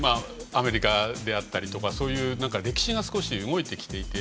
アメリカであったりそういう歴史が動いてきていて。